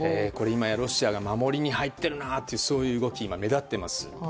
今やロシアが守りに入っているという動きが今、目立っています。